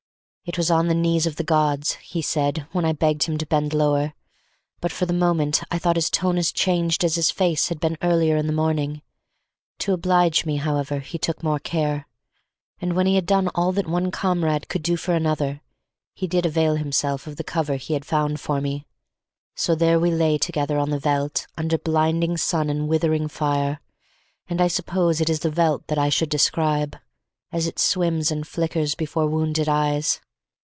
It was on the knees of the gods, he said, when I begged him to bend lower, but for the moment I thought his tone as changed as his face had been earlier in the morning. To oblige me, however, he took more care; and, when he had done all that one comrade could for another, he did avail himself of the cover he had found for me. So there we lay together on the veldt, under blinding sun and withering fire, and I suppose it is the veldt that I should describe, as it swims and flickers before wounded eyes.